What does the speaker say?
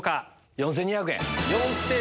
４２００円。